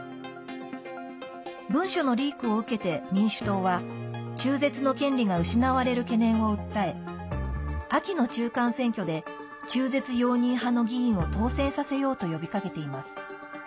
文書のリークを受けて民主党は中絶の権利が失われる懸念を訴え秋の中間選挙で中絶容認派の議員を当選させようと呼びかけています。